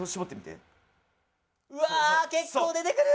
うわ結構出てくる！